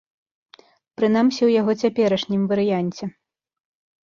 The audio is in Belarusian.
Прынамсі ў яго цяперашнім варыянце.